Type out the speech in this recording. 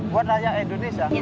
buat rakyat indonesia